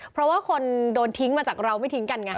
เพราะว่าคนโดนทิ้งมาจากเราไม่ทิ้งกันไง